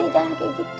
jadi jangan kayak gitu